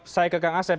saya ke kang asep